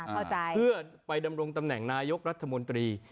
เข้าใจเพื่อไปดำรงตำแหน่งนายกรัฐมนตรี